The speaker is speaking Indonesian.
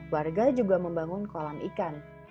warga juga membangun kolam ikan